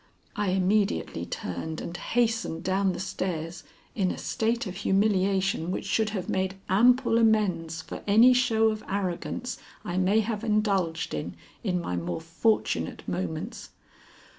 I immediately turned and hastened down the stairs in a state of humiliation which should have made ample amends for any show of arrogance I may have indulged in in my more fortunate moments.